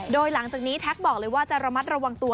โดยหลังจากนี้แท็กบอกเลยว่าจะระมัดระวังตัว